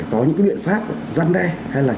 có những cái biện pháp răn đe hay là